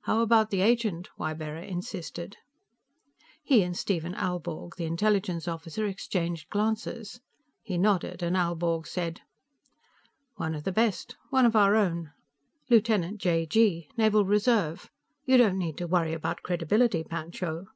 "How about the agent?" Ybarra insisted. He and Stephen Aelborg, the Intelligence officer, exchanged glances. He nodded, and Aelborg said: "One of the best. One of our own, lieutenant j.g., Naval Reserve. You don't need to worry about credibility, Pancho."